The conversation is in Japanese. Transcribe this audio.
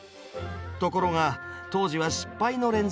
ところが当時は失敗の連続。